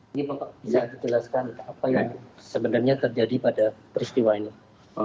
ini bapak bisa dijelaskan apa yang sebenarnya terjadi pada peristiwa ini